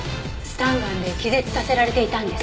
スタンガンで気絶させられていたんですね。